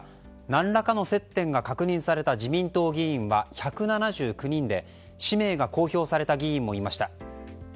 何らかの接点が確認された自民党議員は１７９人で、氏名が公表された議員もいました。